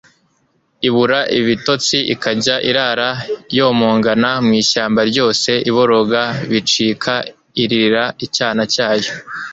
ibura ibitotsi ikajya irara yomongana mu ishyamba ryose, iboroga bicika, iririra icyana cyayo